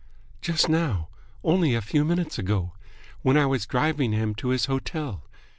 "Just now. Only a few minutes ago. When I was driving him to his hotel.